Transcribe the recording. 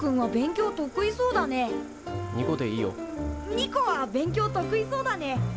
ニコは勉強得意そうだね。